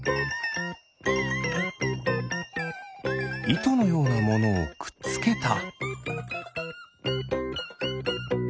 いとのようなものをくっつけた。